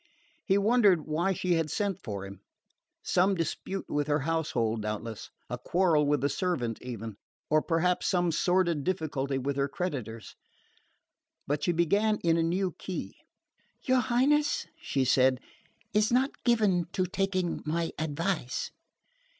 He wondered why she had sent for him. Some dispute with her household, doubtless; a quarrel with a servant, even or perhaps some sordid difficulty with her creditors. But she began in a new key. "Your Highness," she said, "is not given to taking my advice."